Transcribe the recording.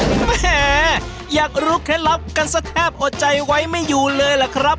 แหมอยากรู้เคล็ดลับกันซะแทบอดใจไว้ไม่อยู่เลยล่ะครับ